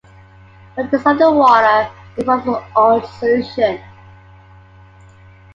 When dissolved in water, it forms an orange solution.